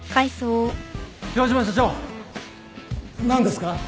何ですか？